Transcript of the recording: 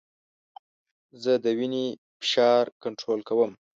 زه د وینې فشار کنټرول کوم.